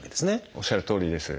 おっしゃるとおりです。